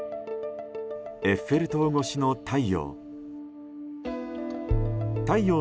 エッフェル塔越しの太陽。